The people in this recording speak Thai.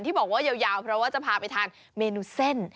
บอกว่ายาวเพราะว่าจะพาไปทานเมนูเส้น